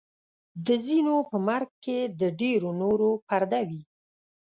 د ځینو په مرګ کې د ډېرو نورو پرده وي.